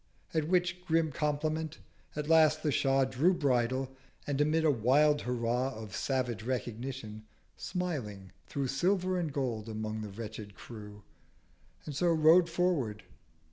At which grim Compliment at last the Shah Drew Bridle: and amid a wild Hurrah 490 Of savage Recognition, smiling threw Silver and Gold among the wretched Crew, And so rode forward.